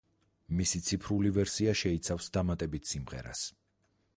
მისი ციფრული ვერსია შეიცავს დამატებით სიმღერას.